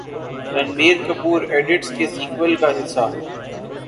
Ranbir Kapoor idiots کے sequel کا حصہ